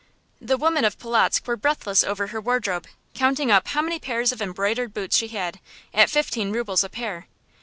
The women of Polotzk were breathless over her wardrobe, counting up how many pairs of embroidered boots she had, at fifteen rubles a pair.